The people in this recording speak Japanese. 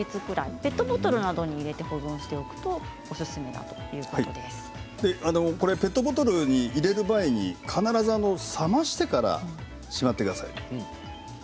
ペットボトルなどに入れて保存しておくとペットボトルに入れる場合必ず冷ましてからしまってください。